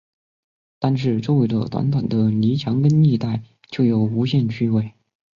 单是周围的短短的泥墙根一带，就有无限趣味